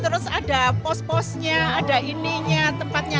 terus ada pos posnya ada ininya tempatnya